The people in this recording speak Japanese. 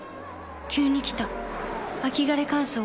急に来た秋枯れ乾燥。